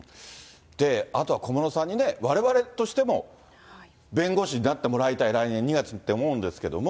あとは小室さんね、われわれとしても、弁護士になってもらいたい、来年２月にって思うんですけども。